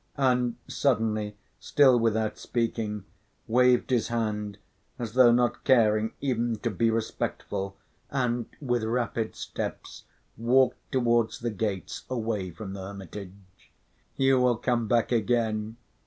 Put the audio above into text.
And suddenly, still without speaking, waved his hand, as though not caring even to be respectful, and with rapid steps walked towards the gates away from the hermitage. "You will come back again!"